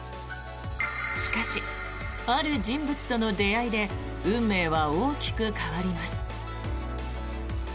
しかし、ある人物との出会いで運命は大きく変わります。